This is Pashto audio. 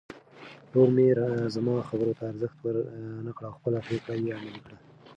ورور مې زما خبرو ته ارزښت ورنه کړ او خپله پرېکړه یې عملي کړه.